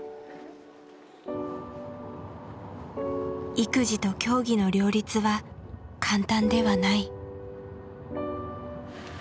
育児と競技の両立は簡単ではない。